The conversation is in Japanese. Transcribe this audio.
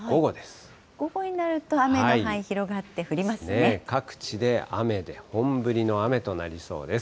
午後になると雨の範囲広がっ各地で雨で、本降りの雨となりそうです。